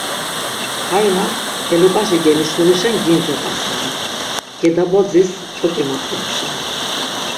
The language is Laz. Kaina, feluǩaşi genişluğişen gindze t̆asinon, gedabodzis toǩi mot̆ǩimu şeni.